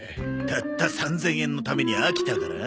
たった３０００円のために秋田から？